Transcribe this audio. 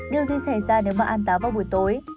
điều di sẻ ra nếu bạn ăn táo vào buổi tối